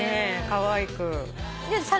かわいく。